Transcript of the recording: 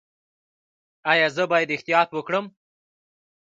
ایا زه باید احتیاط وکړم؟